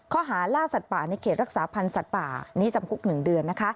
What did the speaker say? ข้อหาล่าสัตว์ป่าในเขตรักษาพันธ์สัตว์ป่านี้จำคุก๑เดือน